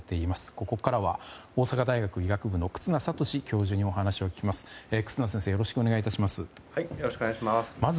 ここからは大阪大学医学部の忽那賢志教授にお話を聞きます。